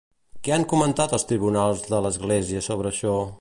Què han comentat els tribunals de l'Església sobre això?